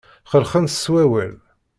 Xellxen-t s wawal.